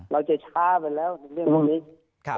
เราจะช้าไปแล้วในเรื่องพวกนี้